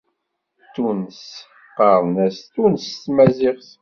Tunes qqaren-as Tunes s tmaziɣt.